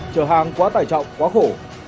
chờ hàng quá tài trọng quá khổ